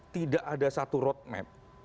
tidak ada satu roadmap